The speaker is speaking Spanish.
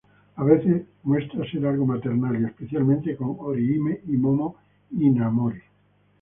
A veces muestra ser algo maternal, especialmente con Orihime y Momo Hinamori.